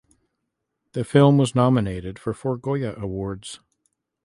The film was nominated for four Goya Awards.